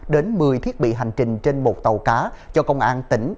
đến một mươi thiết bị hành trình trên một tàu cá cho công an tỉnh